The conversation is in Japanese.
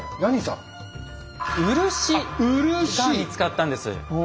あっ漆！が見つかったんです。